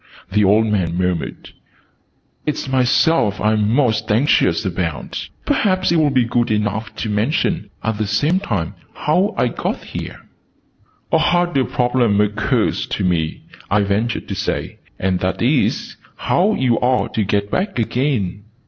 the old man murmured. "Its myself I'm most anxious about. And perhaps you'll be good enough to mention, at the same time, how I got here?" "A harder problem occurs to me," I ventured to say: "and that is, how you're to get back again."